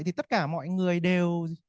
thì tất cả mọi người đều